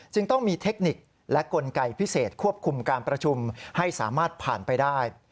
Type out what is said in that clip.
ต้องมีเทคนิคและกลไกพิเศษควบคุมการประชุมให้สามารถผ่านไปได้